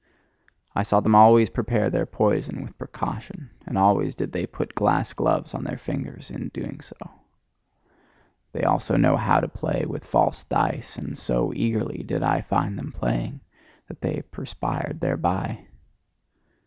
I saw them always prepare their poison with precaution; and always did they put glass gloves on their fingers in doing so. They also know how to play with false dice; and so eagerly did I find them playing, that they perspired thereby.